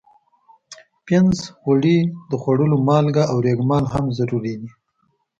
پنس، غوړي، د خوړلو مالګه او ریګ مال هم ضروري دي.